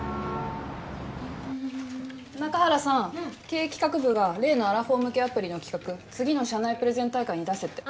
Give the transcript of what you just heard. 経営企画部が例のアラフォー向けアプリの企画次の社内プレゼン大会に出せって。